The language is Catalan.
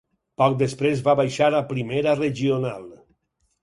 Poc després va baixar a Primera regional.